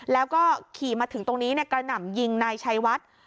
แล้วก็ขี่มาถึงตรงนี้กระหน่ำยิงนายชัยวัด